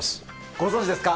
ご存じですか？